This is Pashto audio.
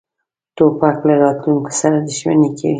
توپک له راتلونکې سره دښمني کوي.